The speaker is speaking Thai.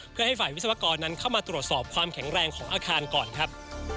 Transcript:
เพื่อให้ฝ่ายวิศวกรนั้นเข้ามาตรวจสอบความแข็งแรงของอาคารก่อนครับ